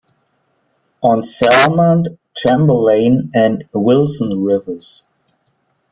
On Salmond, Chamberlain, and Wilson rivers.